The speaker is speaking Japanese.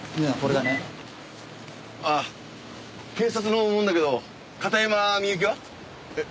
あっ警察の者だけど片山みゆきは？え？